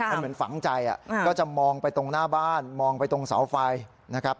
มันเหมือนฝังใจก็จะมองไปตรงหน้าบ้านมองไปตรงเสาไฟนะครับ